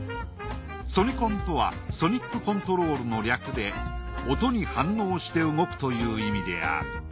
ソニコンとはソニック・コントロールの略で音に反応して動くという意味である。